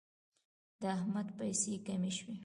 د احمد پیسې کمې شوې.